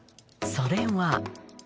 それは。